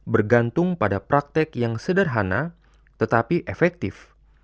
bergantung pada praktek yang sederhana tetapi efektif